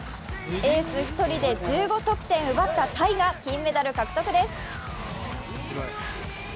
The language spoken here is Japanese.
エース１人で１５得点奪ったタイが金メダル獲得です。